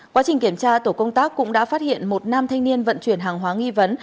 quá trình kiểm tra tổ công tác cũng đã phát hiện một nam thanh niên vận chuyển hàng hóa nghi vấn